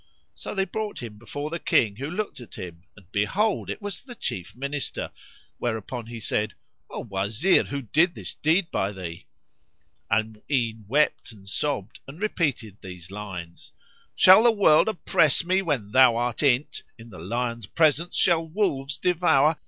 So they brought him before the King who looked at him; and behold, it was the chief Minister; whereupon he said, "O Wazir who did this deed by thee?" Al Mu'ín wept and sobbed and repeated these lines, "Shall the World oppress me when thou art in't? * In the lion's presence shall wolves devour?